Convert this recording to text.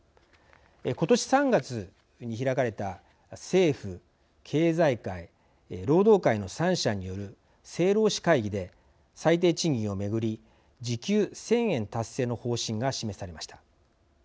今年３月に開かれた政府経済界労働界の３者による政労使会議で最低賃金を巡り時給１，０００円達成の方針が示されました。